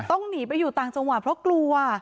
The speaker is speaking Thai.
ต้องหนีไปอยู่ต่างจังหวัดเพราะกลัว